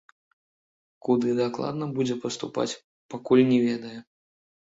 Куды дакладна будзе паступаць, пакуль не ведае.